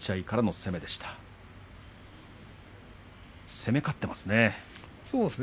攻め勝っていますね。